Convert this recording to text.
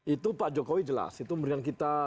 itu pak jokowi jelas itu memberikan kita